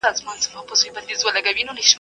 چي قلا د یوه ورور یې آبادیږي.